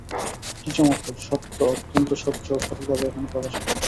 কী চমৎকার! সত্য অত্যন্ত স্বচ্ছ ও সরলভাবেই এখানে প্রকাশিত।